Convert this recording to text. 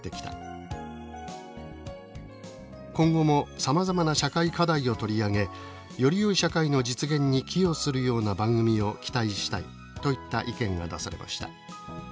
「今後もさまざまな社会課題を取り上げよりよい社会の実現に寄与するような番組を期待したい」といった意見が出されました。